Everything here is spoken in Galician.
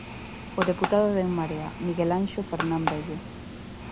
O deputado de En Marea Miguel Anxo Fernán Vello.